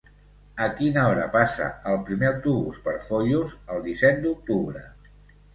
A quina hora passa el primer autobús per Foios el disset d'octubre?